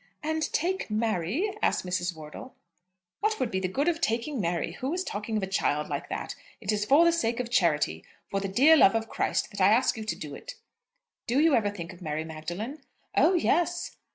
"And take Mary?" asked Mrs. Wortle. "What would be the good of taking Mary? Who is talking of a child like that? It is for the sake of charity, for the dear love of Christ, that I ask you to do it. Do you ever think of Mary Magdalene?" "Oh yes."